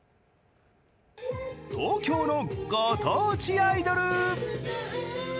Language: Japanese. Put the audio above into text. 東京のご当地アイドル。